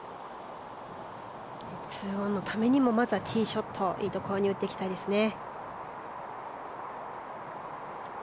２オンのためにもまずはティーショットをいいところに打っていきたいですね。